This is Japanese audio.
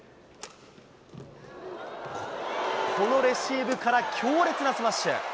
このレシーブから強烈なスマッシュ。